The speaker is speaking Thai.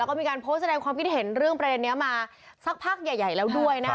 แล้วก็มีการโพสต์แสดงความคิดเห็นเรื่องประเด็นนี้มาสักพักใหญ่แล้วด้วยนะคะ